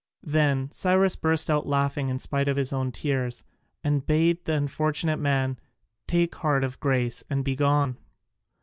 Then Cyrus burst out laughing in spite of his own tears, and bade the unfortunate man take heart of grace and be gone.